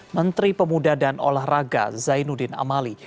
menteri pemuda dan olahraga zainuddin amali